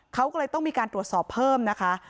เขาก็เลยต้องมีการตรวจสอบเพิ่มนะคะ